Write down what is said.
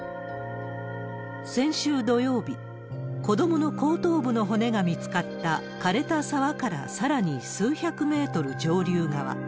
先週土曜日、子どもの後頭部の骨が見つかった枯れた沢からさらに数百メートル上流側。